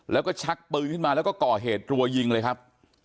แล้วก็ชักปืนขึ้นมาแล้วก็ก่อเหตุรัวยิงเลยครับ